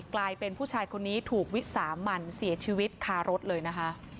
กลายเป็นผู้ชายคนนี้ถูกวิสามันเสียชีวิตคารถเลยนะคะ